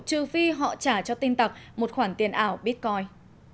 trừ phi họ trả cho tin tặc một khoản tiền ảo bitcoin